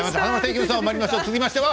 続きましては。